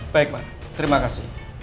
baik pak terima kasih